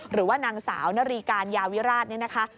หรือว่านางสาวนรีการยาวิราชเนี่ยนะคะ